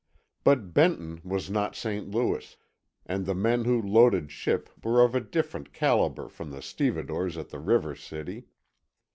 But Benton was not St. Louis, and the men who loaded ship were of a different calibre from the stevedores at the River City.